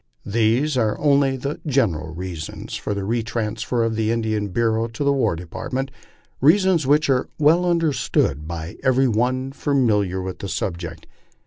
These are only the general reasons for the retransfer of the Indian Bureau to the War Department reasons whicb are well understood by every one familiar with the subject.